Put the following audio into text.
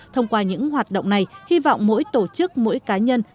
thông qua những hoạt động này hy vọng mỗi tổ chức mỗi cá nhân